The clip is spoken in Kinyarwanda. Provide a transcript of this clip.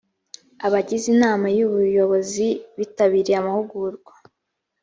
abagize inama y’ubuyobozi bitabiriye amahugurwa